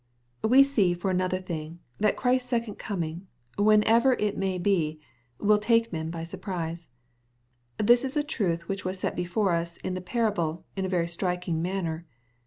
We see, for another thing, that Ghrisfs second coming J whenever it may be, vnU take men by surprise. This is a truth which is set before us in the parable, in a very striking manner.